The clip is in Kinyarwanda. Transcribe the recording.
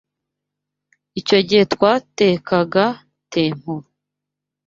Icyo gihe twatekaga tempura.